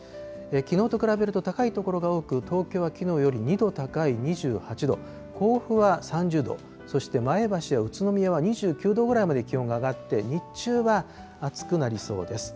きのうと比べると高い所が多く、東京はきのうより２度高い２８度、甲府は３０度、そして前橋や宇都宮は２９度ぐらいまで気温が上がって、日中は暑くなりそうです。